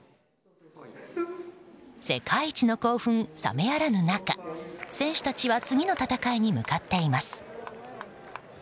世界一の興奮覚めやらぬ中選手たちは次の戦いに向かっています。